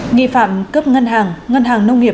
nghị phạm cướp ngân hàng ngân hàng nông nghiệp